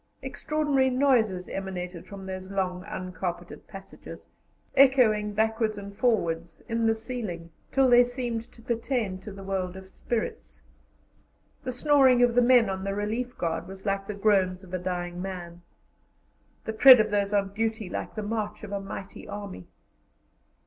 Extraordinary noises emanated from those long uncarpeted passages, echoing backwards and forwards, in the ceiling, till they seemed to pertain to the world of spirits. The snoring of the men on the relief guard was like the groans of a dying man, the tread of those on duty like the march of a mighty army.